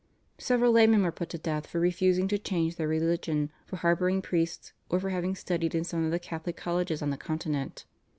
Several laymen were put to death for refusing to change their religion, for harbouring priests, or for having studied in some of the Catholic colleges on the Continent.